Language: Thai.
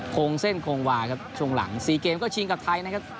โครงเส้นคงวาครับช่วงหลัง๔เกมก็ชิงกับไทยนะครับ